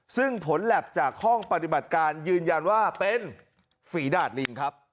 ซึ่งผลแล็บจากห้องปฏิบัติการยืนยันว่าเป็นฝีดาดลิงครับ